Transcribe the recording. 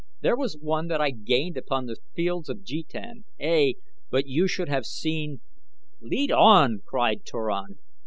There was one that I gained upon The Fields of Jetan. Ey, but you should have seen " "Lead on!" cried Turan.